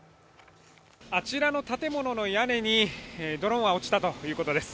あちらの建物の屋根にドローンは落ちたということです。